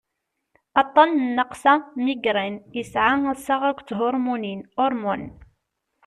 aṭṭan n nnaqsa migraine yesɛa assaɣ akked thurmunin hormones